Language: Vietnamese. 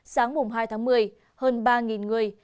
sáng mùa hai tháng một mươi hơn ba người